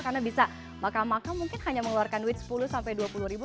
karena bisa maka maka mungkin hanya mengeluarkan duit sepuluh dua puluh ribu